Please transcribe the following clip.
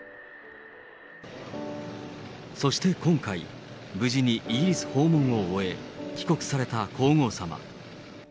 そして今回、無事にイギリス訪問を終え、帰国された皇后さま。